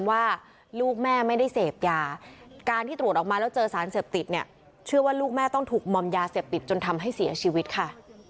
แม่ต้องถูกมอมยาเสพติดจนทำให้เสียชีวิตค่ะ